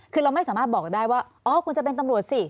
คือเราไม่สามารถบอกได้ว่าอ๋อคุณจะเป็นตำรวจสิ